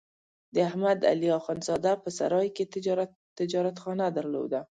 د احمد علي اخوندزاده په سرای کې تجارتخانه درلوده.